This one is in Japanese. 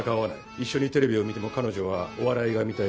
一緒にテレビを観ても彼女はお笑いが観たい。